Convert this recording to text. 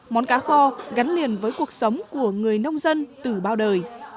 món cá kho gắn liền với cuộc sống của người nông dân từ bao đời